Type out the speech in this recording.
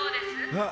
あっ！